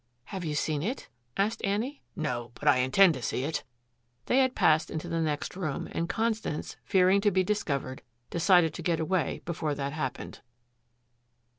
"Have you seen it?" asked Annie. "No, but I intend to see it." They had passed into the next room, and Constance, fearing to be discovered, decided to get away before that happened.